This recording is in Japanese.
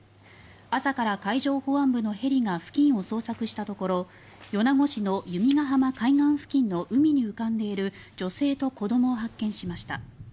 朝から海上保安部のヘリが付近を捜索したところ米子市の弓ヶ浜海岸付近の海に浮かんでいる女性と子どもを発見しました。